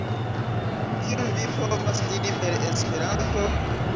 Kion vi povas diri per Esperanto?